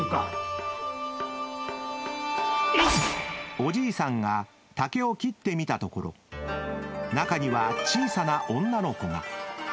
［おじいさんが竹を切ってみたところ中には小さな女の子が］